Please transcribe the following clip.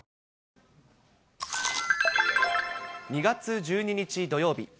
２月１２日土曜日。